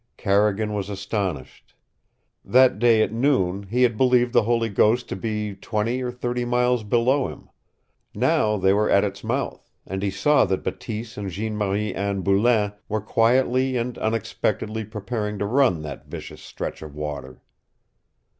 Carrigan was astonished. That day at noon he had believed the Holy Ghost to be twenty or thirty miles below him. Now they were at its mouth, and he saw that Bateese and Jeanne Marie Anne Boulain were quietly and unexcitedly preparing to run that vicious stretch of water.